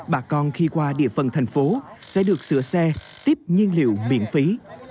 bà con khi qua địa phần thành phố sẽ được sửa xe tiếp nhiên liệu miễn phí